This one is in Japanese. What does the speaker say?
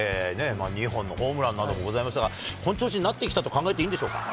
２本のホームランなどもございましたが、本調子になってきたと考えていいんでしょうか。